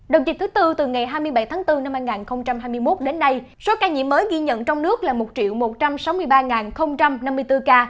đồng dịch thứ tư từ ngày hai mươi bảy tháng bốn năm hai nghìn hai mươi một đến nay số ca nhiễm mới ghi nhận trong nước là một một trăm sáu mươi ba năm mươi bốn ca